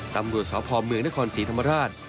ตำรวจสพเมืองนครศรีธรรมราช